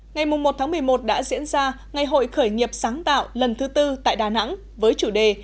ngày một một mươi một đã diễn ra ngày hội khởi nghiệp sáng tạo lần thứ tư tại đà nẵng với chủ đề